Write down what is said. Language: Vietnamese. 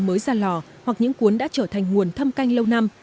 các cuốn xa lò hoặc những cuốn đã trở thành nguồn thâm canh lâu năm